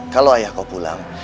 kalau ayah kau pulang